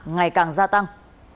ngày càng gia tăng